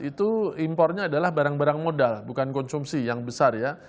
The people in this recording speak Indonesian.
itu impornya adalah barang barang modal bukan konsumsi yang besar ya